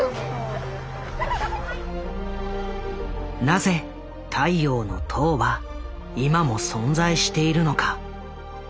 なぜ「太陽の塔」は今も存在しているのか。